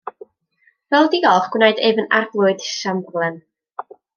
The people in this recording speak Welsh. Fel diolch, gwnaed ef yn Arglwydd Siambrlen.